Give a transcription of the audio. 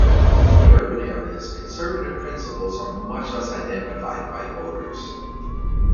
In the urban areas, conservative principles are much less identified by voters.